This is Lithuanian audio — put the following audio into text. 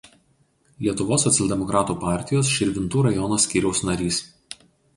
Lietuvos socialdemokratų partijos Širvintų rajono skyriaus narys.